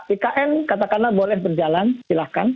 ikn katakanlah boleh berjalan silahkan